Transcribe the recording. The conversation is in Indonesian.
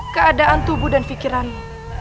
keadaan tubuh dan fikiranmu